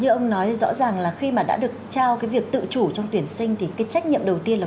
như ông nói rõ ràng là khi mà đã được trao cái việc tự chủ trong tuyển sinh thì cái trách nhiệm đầu tiên là